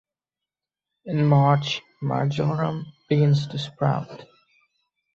In March, marjoram begins to sprout.